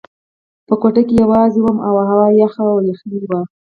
په کوټه کې یوازې وم او هوا یخه وه، یخنۍ وه.